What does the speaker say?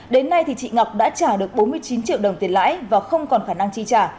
đến nay thì chị ngọc đã trả được bốn mươi chín triệu đồng tiền lãi và không còn khả năng chi trả